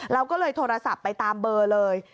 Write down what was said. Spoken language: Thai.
เราก็เลยโทรศัพท์ไปตามเบอร์เลย